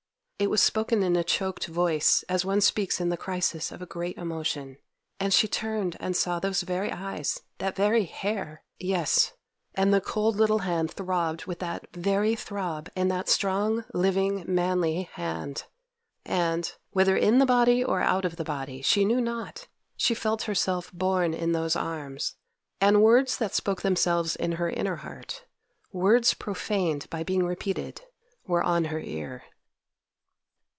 It was spoken in a choked voice, as one speaks in the crisis of a great emotion, and she turned and saw those very eyes!—that very hair!—yes, and the cold little hand throbbed with that very throb in that strong, living, manly hand, and 'whether in the body or out of the body' she knew not; she felt herself borne in those arms, and words that spoke themselves in her inner heart—words profaned by being repeated, were on her ear.